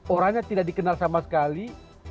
orangnya tidak dikenal sama sekali